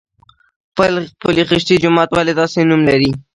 پل خشتي جومات ولې داسې نوم لري؟